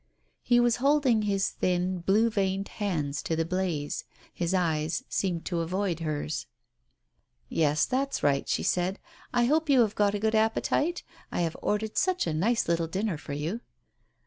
He was holding his thin, blue veined hands to the blaze. His eyes seemed to avoid hers. "Yes, that's right," she said. "I hope you have got a good appetite? I have ordered such a nice little dinner for you."